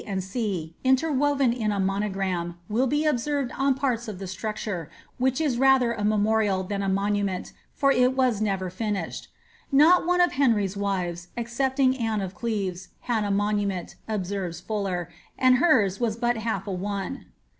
and C, interwoven in a monogram, will be observed on parts of the structure, which is rather a memorial than a monument, for it was never finished.' "Not one of Henr>''s wives, excepting Anne of Cleves, had a monument," observes Fuller, ^anJ hers was but half a one."